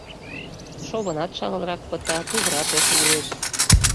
Шовынат шагалрак пыта, тувырат ошо лиеш.